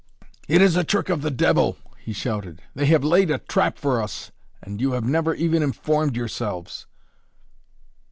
"It is a trick of the devil," he shouted. "They have laid a trap for us, and you have never even informed yourselves."